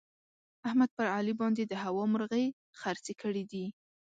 احمد پر علي باندې د هوا مرغۍ خرڅې کړې دي.